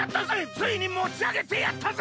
ついにもちあげてやったぜ！